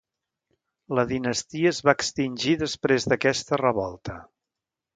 La dinastia es va extingir després d'aquesta revolta.